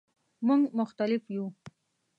مونږ مختلف یو